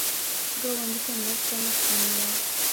ګاونډي ته مرسته مه سپموه